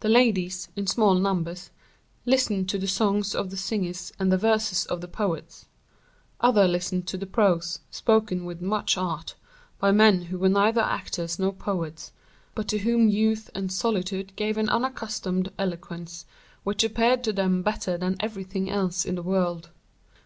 The ladies, in small numbers, listened to the songs of the singers and the verses of the poets; others listened to the prose, spoken with much art, by men who were neither actors nor poets, but to whom youth and solitude gave an unaccustomed eloquence, which appeared to them better than everything else in the world.